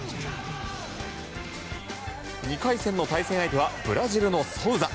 ２回戦の対戦相手はブラジルのソウザ。